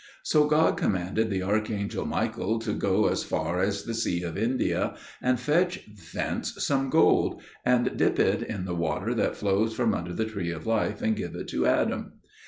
So God commanded the archangel Michael to go as far as the Sea of India, and fetch thence some gold, and dip it in the water that flows from under the Tree of Life, and give it to Adam.